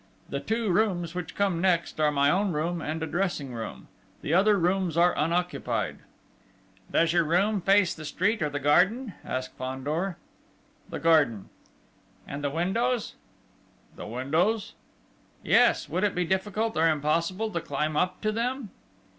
The two rooms which come next, are my own room and a dressing room. The other rooms are unoccupied." "Does your room face the street or the garden?" asked Fandor. "The garden." "And the windows?" "The windows?" "Yes. Would it be difficult, or impossible to climb up to them?"